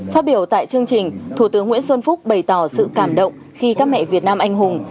phát biểu tại chương trình thủ tướng nguyễn xuân phúc bày tỏ sự cảm động khi các mẹ việt nam anh hùng